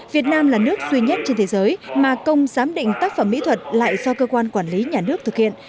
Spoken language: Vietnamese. việt nam là nước duy nhất trên thế giới mà công giám định tác phẩm mỹ thuật lại do cơ quan quản lý nhà nước thực hiện